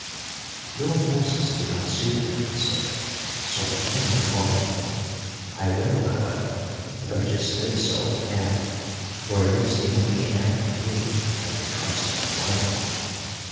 "Your horses do not suit me," I said, "so I cannot buy one. I will, however, purchase this old cow; for it is the only animal here I could trust my wife on.